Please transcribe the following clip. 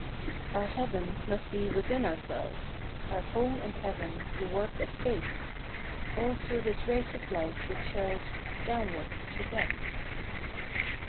/^YUR Heaven must be within ourselves, ^ Our Home and Heaven the work of faith All through this race of life which shelves Downward to death.